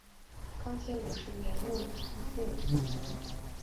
康熙五十年任福建巡抚。